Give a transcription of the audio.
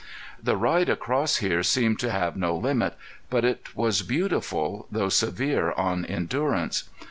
The ride across here seemed to have no limit, but it was beautiful, though severe on endurance.